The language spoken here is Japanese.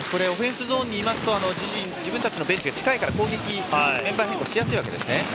オフェンスゾーンにいますと自分たちのベンチが近いから攻撃しやすいわけですね。